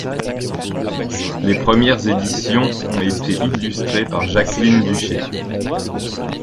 Les premières éditions ont été illustrées par Jacqueline Duché.